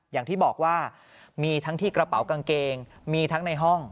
อย่างที่บอกว่ามีทั้งที่กระเป๋ากางเกงมีทั้งในห้อง